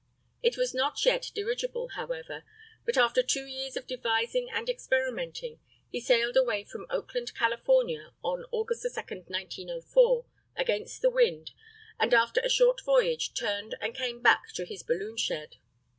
It was not yet dirigible, however; but after two years of devising and experimenting, he sailed away from Oakland, Cal., on August 2, 1904, against the wind, and after a short voyage, turned and came back to his balloon shed.